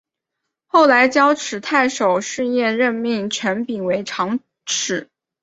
后来交趾太守士燮任命程秉为长史。